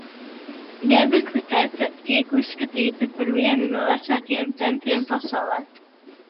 Gebekli Tepe tiek uzskatīta par vienu no vecākajiem tempļiem pasaulē.